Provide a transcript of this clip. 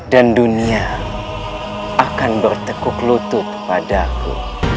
dan dunia akan bertekuk lutut padaku